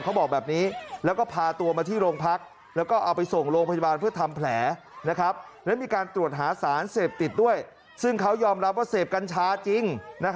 เขายอมรับว่าเสพกันช้าจริง